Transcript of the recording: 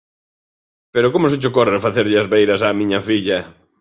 Pero como se che ocorre facerlle as beiras a miña filla?